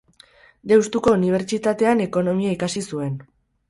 Deustuko Unibertsitatean ekonomia ikasi zuen.